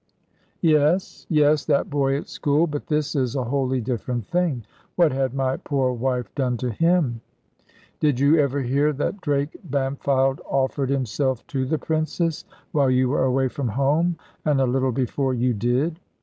"Yes, yes, that boy at school. But this is a wholly different thing what had my poor wife done to him?" "Did you ever hear that Drake Bampfylde offered himself to the Princess, while you were away from home, and a little before you did?"